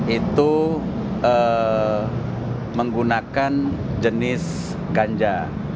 itu menggunakan jenis ganja